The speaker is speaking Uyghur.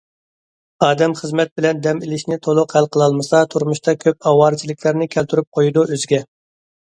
ئادەم خىزمەت بىلەن دەم ئېلىشنى تولۇق ھەل قىلالمىسا تۇرمۇشتا كۆپ ئاۋارىچىلىكلەرنى كەلتۈرۈپ قويىدۇ ئۆزىگە.